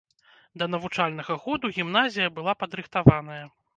Да навучальнага году гімназія была падрыхтаваная.